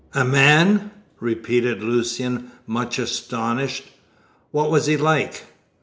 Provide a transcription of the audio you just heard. "A man!" repeated Lucian, much astonished. "What was he like?"